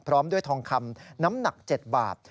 พร้อมด้วยทองคำน้ำหนัก๗บาท